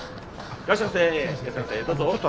いらっしゃいませどうぞ。